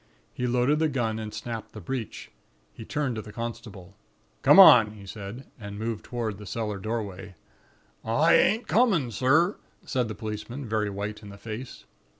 He loaded the gun and snapped the breech. He turned to the constable: "'Come on,' he said, and moved toward the cellar doorway. "'I ain't comin', sir,' said the policeman, very white in the face.